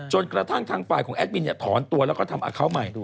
จนกระทั่งทางฝ่ายของแอดมินถอนตัวแล้วก็ทำอาคาร์ทมาย